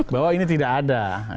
bahwa ini tidak ada